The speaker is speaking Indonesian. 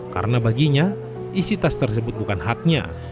karena baginya isi tas tersebut bukan haknya